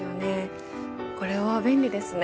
これは便利ですね。